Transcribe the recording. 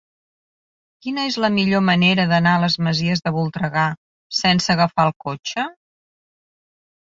Quina és la millor manera d'anar a les Masies de Voltregà sense agafar el cotxe?